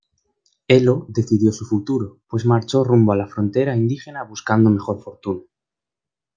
Ello decidió su futuro, pues marchó rumbo a la frontera indígena buscando mejor fortuna.